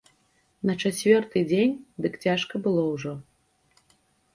На чацвёрты дзень дык цяжка было ўжо.